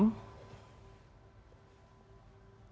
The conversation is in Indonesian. kemudian juga kalau demam disertai dengan batuk